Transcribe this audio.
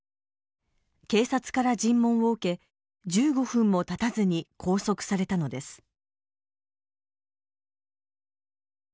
警察から尋問を受け１５分もたたずに拘束されたのです。